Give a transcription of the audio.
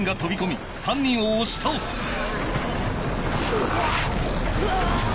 うわっ！